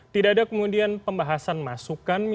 tidak ada kemudian pembahasan masukan